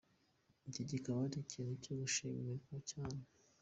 Iki kikaba ari ikintu cyo kwishimira cyane!